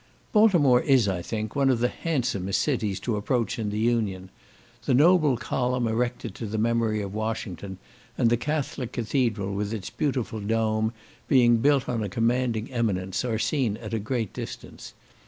Baltimore is, I think, one of the handsomest cities to approach in the Union. The noble column erected to the memory of Washington, and the Catholic Cathedral, with its beautiful dome, being built on a commanding eminence, are seen at a great distance.